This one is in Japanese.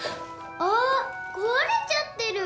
あ壊れちゃってる！